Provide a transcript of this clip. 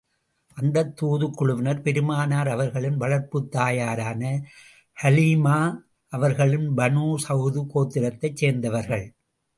அந்தத் தூதுக் குழுவினர் பெருமானார் அவர்களின் வளர்ப்புத் தாயாரான ஹலீமா அவர்களின் பனூ ஸஃது கோத்திரத்தைச் சேர்ந்தவர்கள்.